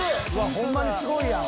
ホンマにすごいやん！